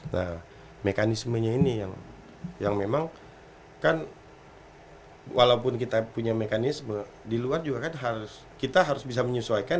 nah mekanismenya ini yang memang kan walaupun kita punya mekanisme di luar juga kan harus kita harus bisa menyesuaikan